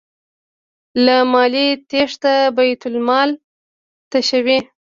له مالیې تیښته بیت المال تشوي.